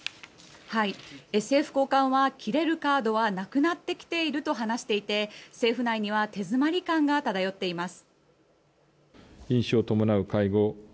政府高官は切れるカードはなくなってきていると話していて政府内には手詰まり感が漂っています。